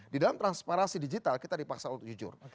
di dalam transparansi digital kita dipaksa untuk jujur